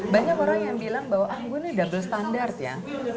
banyak orang yang bilang bahwa ah gue ini double standard ya